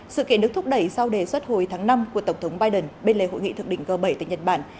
sự kiện được thúc đẩy sau đề xuất hồi tháng năm của tổng thống biden bên lề hội nghị thượng đỉnh g bảy tại nhật bản